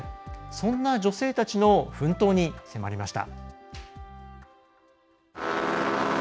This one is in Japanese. そんな女性たちの奮闘に迫りました。